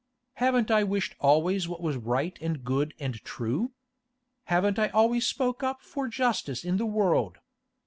Haven't I wished always what was right and good and true? Haven't I always spoke up for justice in the world?